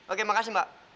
oke makasih mbak